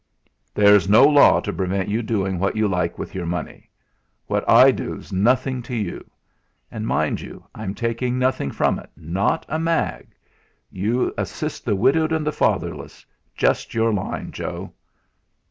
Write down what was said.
"There's no law to prevent you doing what you like with your money. What I do's nothing to you. And mind you, I'm taking nothing from it not a mag. You assist the widowed and the fatherless just your line, Joe!"